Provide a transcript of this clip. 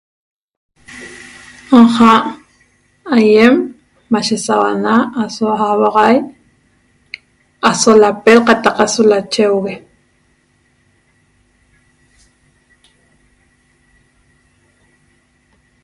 'Aja' aýem mashe sauana aso auaxai aso lapel qataq aso lacheugue